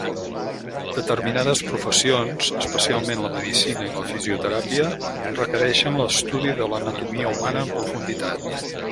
Determinades professions, especialment la medicina i la fisioteràpia, requereixen l'estudi de l'anatomia humana en profunditat.